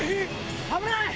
危ない！